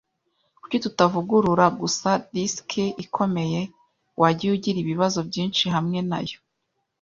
Kuki tutavugurura gusa disiki ikomeye? Wagiye ugira ibibazo byinshi hamwe nayo